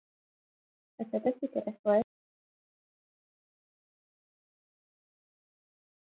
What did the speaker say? A csata sikeres volt a által vezetett han haderő számára.